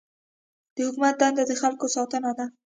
د حکومت دنده د خلکو ساتنه ده.